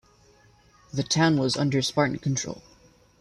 The town was under Spartan control.